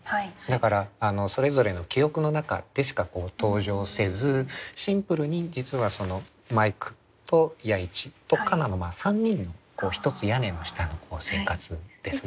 だからそれぞれの記憶の中でしか登場せずシンプルに実はマイクと弥一と夏菜の３人のひとつ屋根の下の生活ですね。